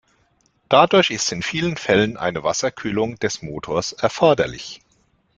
Dadurch ist in vielen Fällen eine Wasserkühlung des Motors erforderlich.